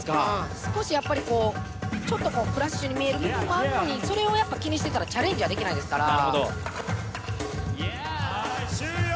少し、やっぱりちょっとクラッシュに見える部分もあるのにそれを気にしてたらチャレンジはできないですから。